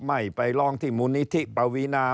ไม่ไปร้องที่มูลนิธิปวีนา